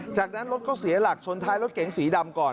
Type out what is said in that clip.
จากนั้นรถก็เสียหลักชนท้ายรถเก๋งสีดำก่อน